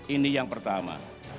ini yang pertama